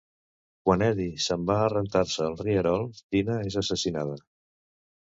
Quan Eddie s'en va a rentar-se al rierol, Tina és assassinada.